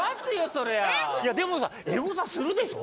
そりゃでもさエゴサするでしょ？